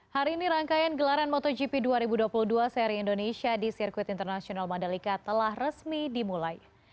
hari ini rangkaian gelaran motogp dua ribu dua puluh dua seri indonesia di sirkuit internasional mandalika telah resmi dimulai